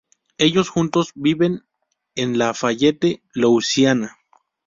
Ellos juntos viven en Lafayette, Louisiana.